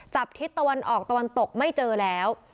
ทิศตะวันออกตะวันตกไม่เจอแล้ว